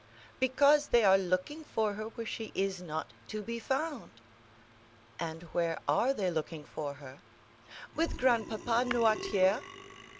"Because they are looking for her where she is not to be found." "And where are they looking for her?" "With grandpapa Noirtier."